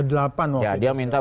ya dia minta menteri banyak